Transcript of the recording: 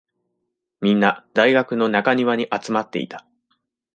みんな、大学の中庭に集まっていた。